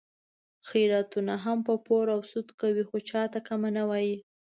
خیراتونه هم په پور او سود کوي، خو چاته کمه نه وایي.